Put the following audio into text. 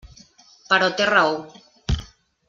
Però té raó.